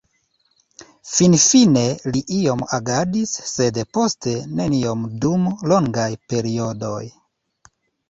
Finfine li iom agadis, sed poste neniom dum longaj periodoj.